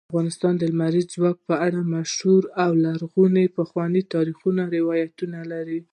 افغانستان د لمریز ځواک په اړه مشهور او لرغوني پخواني تاریخی روایتونه لري.